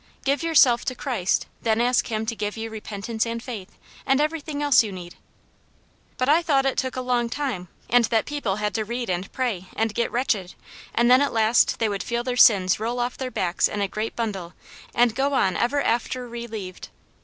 " Give yourself to Christ. Then ask Him to give you repentance and faith, and everything else you need." " But I thought it took a long time, and that people had to read and pray, and get wretched, and then at last they would feel their sins roll off their backs in a great bundle, and go on ever after re lieved."